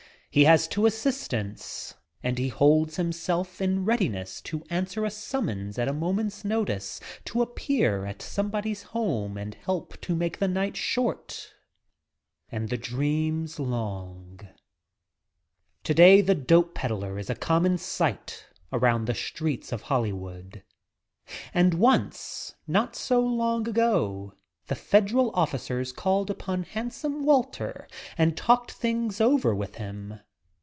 He has two assistants and he holds himself in readiness to answer a summons at a moment's notice to appear at somebody's home and help to make the night short and the dreams long. Today the dope peddlar is a common sight around the streets of Hollywood. And once, not so long ago, the Federal officers called upon Handsome Walter and talked things over with him.